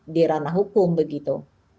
dirana hukum begitu